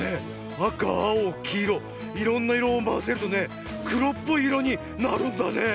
あかあおきいろいろんないろをまぜるとねくろっぽいいろになるんだね。